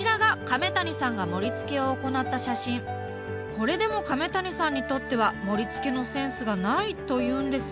これでも亀谷さんにとっては盛り付けのセンスがないというんです。